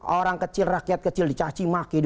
orang kecil rakyat kecil dicacimaki